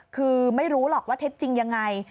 คือไม่รู้หรอกว่าเท็จจริงยังไง